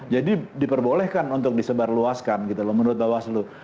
jadi diperbolehkan untuk disebarluaskan gitu loh menurut bapak asli